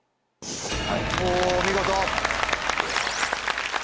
おお見事。